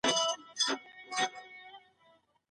بنسټيزه هسته د پېر سره سم بدلون مومي.